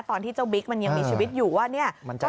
ตอนที่เจ้าบิ๊กมันยังมีชีวิตอยู่ว่าเนี่ย